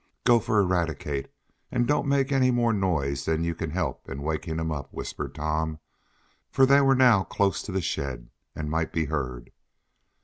"Go for Eradicate, and don't make any more noise than you can help in waking him up," whispered Tom, for they were now close to the shed, and might be heard.